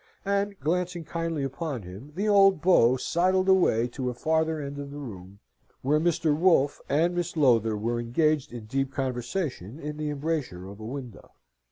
And, glancing kindly upon him, the old beau sidled away to a farther end of the room, where Mr. Wolfe and Miss Lowther were engaged in deep conversation in the embrasure of a window.